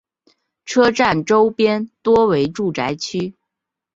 车站周边多为住宅区。